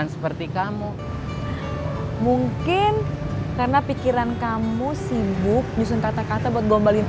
aku berusaha untuk melakukan cerita krim